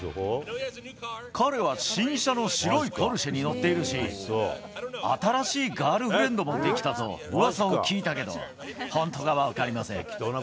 彼は新車の白いポルシェに乗っているし、新しいガールフレンドもできたとうわさを聞いたけど、本当かは分かりません。